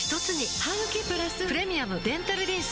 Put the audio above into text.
ハグキプラス「プレミアムデンタルリンス」